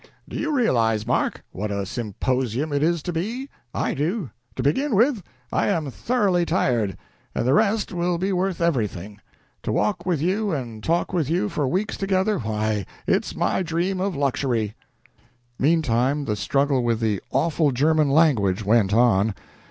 Do you realize, Mark, what a symposium it is to be? I do. To begin with, I am thoroughly tired, and the rest will be worth everything. To walk with you and talk with you for weeks together why, it's my dream of luxury!" Meantime the struggle with the "awful German language" went on.